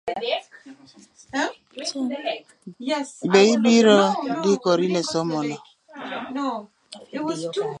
Be ibiro ndikori ne somo no?